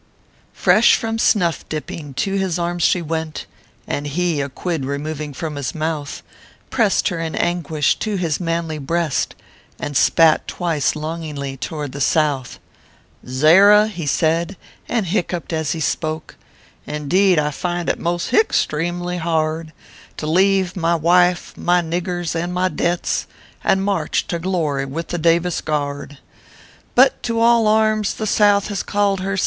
Fresh from snuff dipping to his arms she went, And he, a quid removing from his mouth, Pressed her in anguish to his manly breast And spat twice, longingly, toward the South. " Zara," he said, and hiccup d as he spoke, " Indeed I find it most (hie) stremely hard To leave my wife, my niggers, and my debts, And march to glory with the Davis Guard ;" But all to arms the South has called her